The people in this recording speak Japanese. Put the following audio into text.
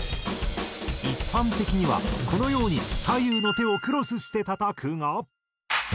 一般的にはこのように左右の手をクロスして叩くが。